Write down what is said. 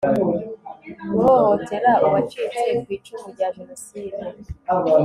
guhohotera uwacitse kw icumu rya Jenoside